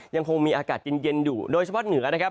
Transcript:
ยังคงมีอากาศเย็นอยู่โดยเฉพาะเหนือนะครับ